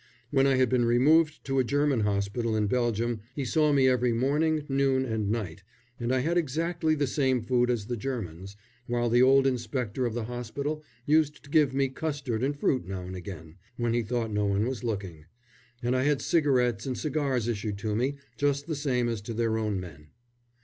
When I had been removed to a German hospital in Belgium he saw me every morning, noon, and night, and I had exactly the same food as the Germans, while the old inspector of the hospital used to give me custard and fruit now and again, when he thought no one was looking; and I had cigarettes and cigars issued to me just the same as to their own men.